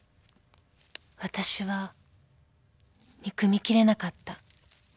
［わたしは憎みきれなかった］